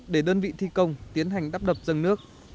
để đơn vị thi công tiến hành đắp đập dân nước